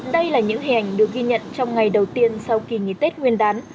đây là những hình ảnh được ghi nhận trong ngày đầu tiên sau kỳ nghỉ tết nguyên đán